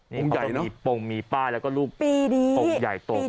มีป้องมีป้ายแล้วก็รูปป้องใหญ่ตกมา